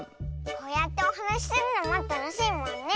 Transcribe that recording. こうやっておはなしするのもたのしいもんね！